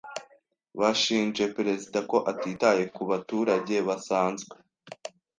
Bashinje perezida ko atitaye ku baturage basanzwe.